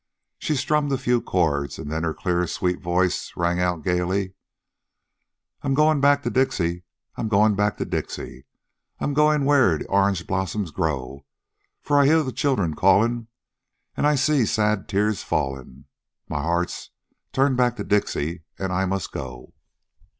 She strummed a few chords, and then her clear sweet voice rang out gaily: "I's g'wine back to Dixie, I's g'wine back to Dixie, I's g'wine where de orange blossoms grow, For I hear de chillun callin', I see de sad tears fallin' My heart's turned back to Dixie, An' I mus'go."